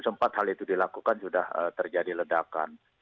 sempat hal itu dilakukan sudah terjadi ledakan